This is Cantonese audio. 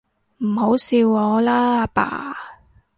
唔好笑我啦，阿爸